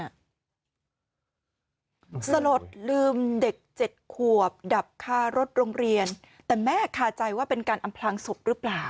สลดลืมเด็กเจ็ดขวบดับคารถโรงเรียนแต่แม่คาใจว่าเป็นการอำพลังศพหรือเปล่า